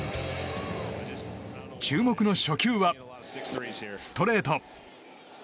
注目の初球は、ストレート。